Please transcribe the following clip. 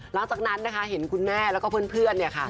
หลังจากนั้นนะคะเห็นคุณแม่และเพื่อนค่ะ